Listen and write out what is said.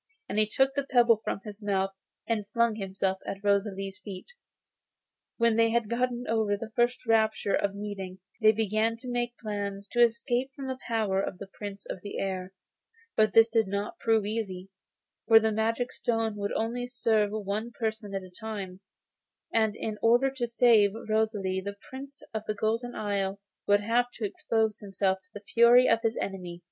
He took the pebble from his mouth, and flung himself at Rosalie's feet. When they had got over the first rapture of meeting they began to make plans to escape from the power of the Prince of the Air. But this did not prove easy, for the magic stone would only serve for one person at a time, and in order to save Rosalie the Prince of the Golden Isle would have to expose himself to the fury of his enemy.